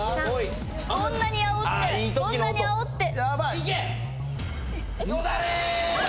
こんなにあおってこんなにあおっていけ！